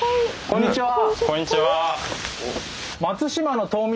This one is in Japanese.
こんにちは。